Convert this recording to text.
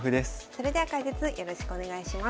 それでは解説よろしくお願いします。